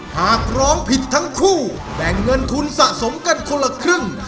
หากร้องผิดทั้งคู่แบ่งเงินทุนสะสมกันคนละครึ่ง